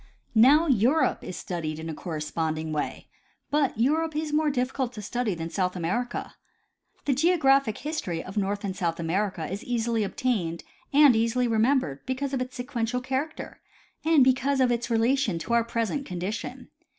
Now Europe is studied in a corresponding way ; but Europe is more difficult to study than South America. The geographic history of North and South America is easily obtained and easily remembered because of its sequential character and because of its relation to our present condition.